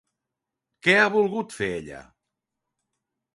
Què ha volgut fer ella?